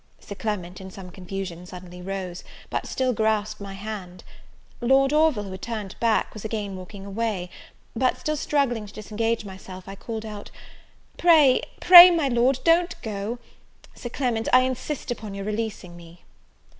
Sir Clement, in some confusion, suddenly rose, but still grasped my hand. Lord Orville, who had turned back, was again walking away; but, still struggling to disengage myself, I called out "Pray, pray, my Lord, don't go! Sir Clement, I insist upon your releasing me!"